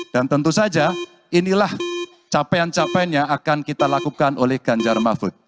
dan tentu saja inilah capaian capaiannya akan kita lakukan oleh ganjar mahfud